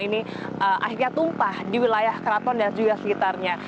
ini akhirnya tumpah di wilayah keraton dan juga sekitarnya